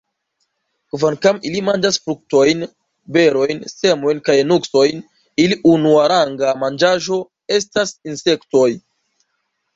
Kvankam ili manĝas fruktojn, berojn, semojn kaj nuksojn, ili unuaranga manĝaĵo estas insektoj.